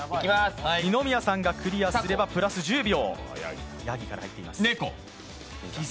二宮さんがクリアすればプラス１０秒。